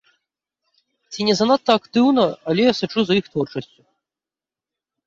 Ці не занадта актыўна, але я сачу за іх творчасцю.